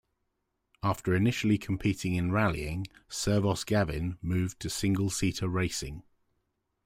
After initially competing in rallying, Servoz-Gavin moved to single-seater racing.